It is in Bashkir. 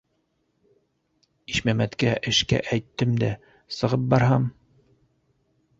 Ишмәмәткә эшкә әйттем дә сығып барһам...